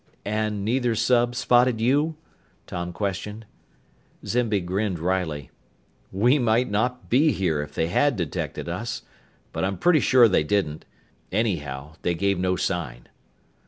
"And neither sub spotted you?" Tom questioned. Zimby grinned wryly. "We might not be here if they had detected us. But I'm pretty sure they didn't. Anyhow, they gave no sign."